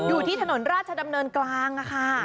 อยู่ที่ถนนราชดำเนินกลางค่ะ